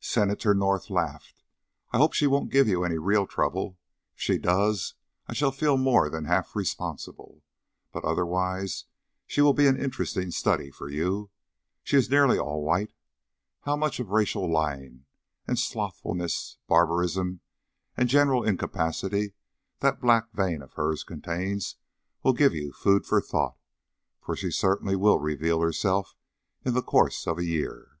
Senator North laughed. "I hope she won't give you any real trouble. If she does, I shall feel more than half responsible. But otherwise she will be an interesting study for you. She is nearly all white; how much of racial lying, and slothfulness, barbarism, and general incapacity that black vein of hers contains will give you food for thought, for she certainly will reveal herself in the course of a year."